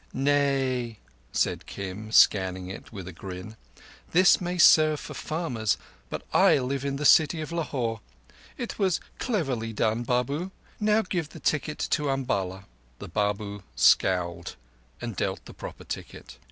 "Nay," said Kim, scanning it with a grin. "This may serve for farmers, but I live in the city of Lahore. It was cleverly done, Babu. Now give the ticket to Umballa." The Babu scowled and dealt the proper ticket.